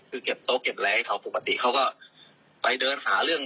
คือเก็บโต๊ะเก็บอะไรให้เขาปกติเขาก็ไปเดินหาเรื่อง